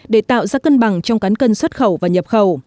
để tạo ra cân bằng trong cán cân xuất khẩu và nhập khẩu